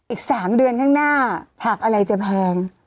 อีก๓เดือนข้างหน้าผักอะไรจะแพง